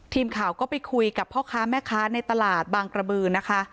ทีมข่าวก็ไปคุยกับพ่อค้าแม่ค้าในตลาดบางกระบือนะคะ